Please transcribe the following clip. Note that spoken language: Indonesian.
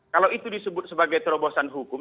kalau itu disebut sebagai terobosan hukum